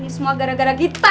ini semua gara gara gita